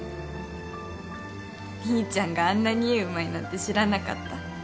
兄ちゃんがあんなに絵うまいなんて知らなかった。